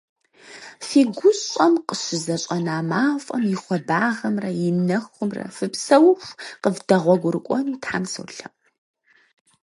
Фи гущӏэм къыщызэщӏэна мафӏэм и хуабагъэмрэ и нэхумрэ фыпсэуху къывдэгъуэгурыкӏуэну Тхьэм солъэӏу!